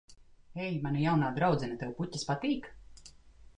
Ei, mana jaunā draudzene, tev puķes patīk?